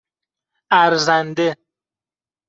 اَرزنده